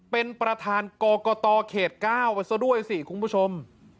เป็นประธานกรกตเขต๙ไปซะด้วยสิคุณผู้ชม